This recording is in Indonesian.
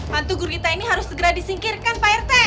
hantu hurita ini harus segera disingkirkan pak rt